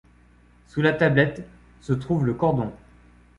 Sous la tablette se trouve le cordon.